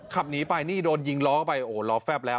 ขับหนีไปนี่โดนยิงล้อไปโอ้โหล้อแฟบแล้ว